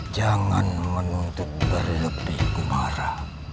jangan menuntut berlebih kumara